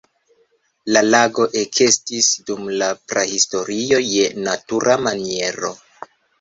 La lago ekestis dum la prahistorio je natura maniero.